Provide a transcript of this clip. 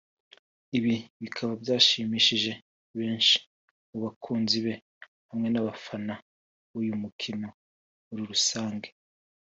Ibi bikaba byashimishije benshi mu bakunzi be hamwe n'abafana b'uyu mukino muri rusange